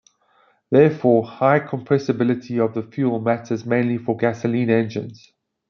Therefore, high compressibility of the fuel matters mainly for gasoline engines.